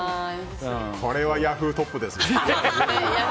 これはヤフートップです。